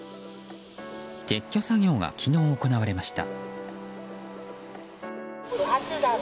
撤去作業が昨日行われました。